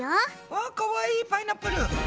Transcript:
わっかわいいパイナップル！